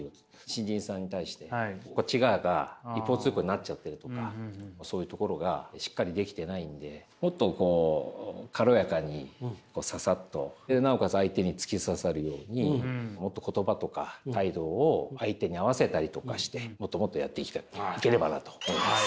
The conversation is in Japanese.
新人さんに対してこっち側が一方通行になっちゃってるとかそういうところがしっかりできてないんでもっとこう軽やかにささっとなおかつ相手に突き刺さるようにもっと言葉とか態度を相手に合わせたりとかしてもっともっとやっていければなと思います。